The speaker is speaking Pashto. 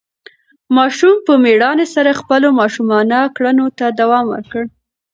ماشوم په مېړانې سره خپلو ماشومانه کړنو ته دوام ورکړ.